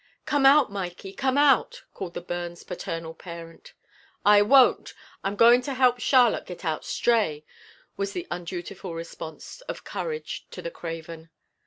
"Come out, Mikey, come out," called the Burns paternal parent. "I won't! I'm going to help Charlotte git out Stray," was the undutiful response of courage to the craven.